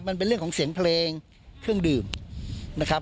มันเป็นเรื่องของเสียงเพลงเครื่องดื่มนะครับ